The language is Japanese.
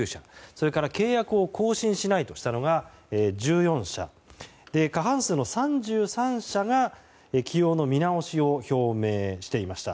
それから契約を更新しないとしたのが１４社過半数の３３社が起用の見直しを表明していました。